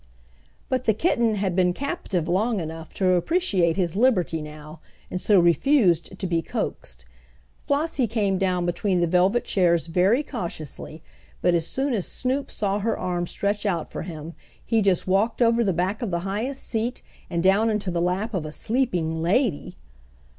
But the kitten had been captive long enough to appreciate his liberty now, and so refused to be coaxed. Flossie came down between the velvet chairs very cautiously, but as soon as Snoop saw her arm stretch out for him, he just walked over the back of the highest seat and down into the lap of a sleeping lady!